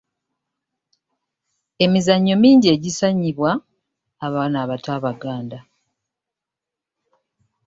Emizannyo mingi egizannyibwa abaana abato Abaganda